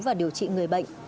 và điều trị người bệnh